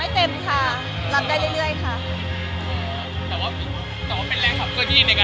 ไม่เต็มค่ะรับได้เรื่อยค่ะ